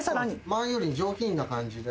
前より上品な感じで。